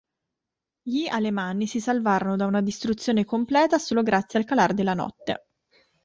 Gli Alemanni si salvarono da una distruzione completa solo grazie al calar della notte.